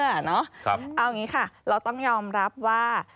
เอาอย่างนี้ค่ะเราต้องยอมรับว่า